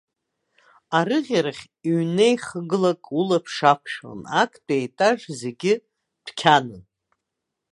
Арыӷьарахь ҩны еихагылак улаԥш ақәшәон, актәи аетаж зегьы дәқьанын.